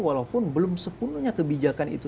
walaupun belum sepenuhnya kebijakan itu